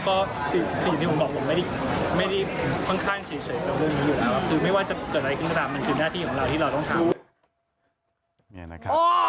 ก็คือที่ผมบอกผมไม่ได้พังข้างเฉยเพราะเรื่องนี้อยู่แล้ว